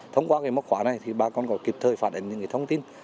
thông qua cái móc khóa này thì bà con có kịp thời phản ứng những thông tin